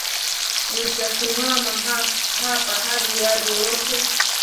Nitasimama hapa hadi waje wote.